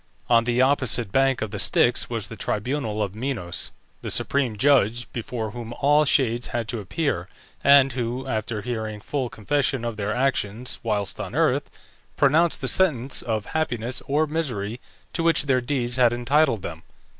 On the opposite bank of the Styx was the tribunal of Minos, the supreme judge, before whom all shades had to appear, and who, after hearing full confession of their actions whilst on earth, pronounced the sentence of happiness or misery to which their deeds had entitled them.